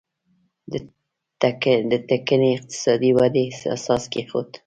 د ټکنۍ اقتصادي ودې اساس کېښود.